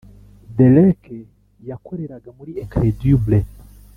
Dereck yakoreraga muri Incredible